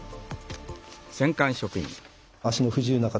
足の不自由な方